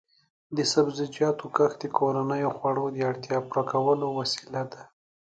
د سبزیجاتو کښت د کورنیو د خوړو د اړتیا پوره کولو وسیله ده.